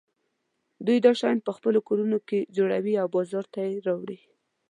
دوی دا شیان په خپلو کورونو کې جوړوي او بازار ته یې راوړي.